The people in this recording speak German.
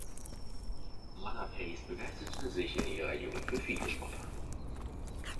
Ada Pace begeisterte sich in ihrer Jugend für viele Sportarten.